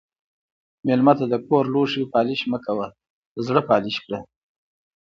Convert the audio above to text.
مېلمه ته د کور لوښي پالش مه کوه، زړه پالش کړه.